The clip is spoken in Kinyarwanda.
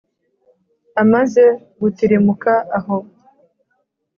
Amaze gutirimuka aho,